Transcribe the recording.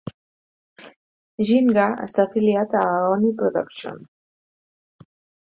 Ginga està afiliat a Aoni Production.